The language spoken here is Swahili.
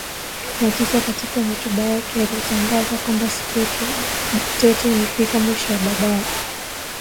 na tisa Katika hotuba yake alitangaza kwamba Siku ya dikteta imefikia mwisho na baadaye